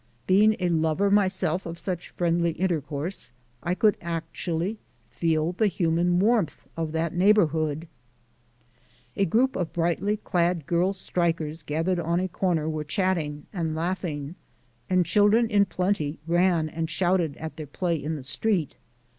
Being a lover myself of such friendly intercourse I could actually feel the hum and warmth of that neighbourhood. A group of brightly clad girl strikers gathered on a corner were chatting and laughing, and children in plenty ran and shouted at their play in the street.